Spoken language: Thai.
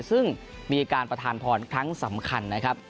ซึ่งมีการประทานพรครั้งสำคัญนะครับ